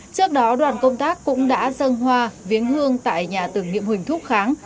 trước đó đoàn công tác cũng đã dân hoa viếng hương tại nhà tưởng nghiệm huỳnh thúc kháng